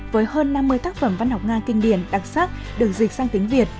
với hơn năm mươi tác phẩm văn học nga kinh điển đặc sắc được dịch sang tiếng việt